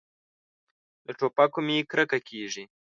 له ټوپکو مې کرکه کېږي.